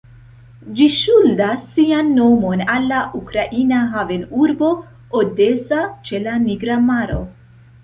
Ĝi ŝuldas sian nomon al la ukraina havenurbo Odesa ĉe la Nigra Maro.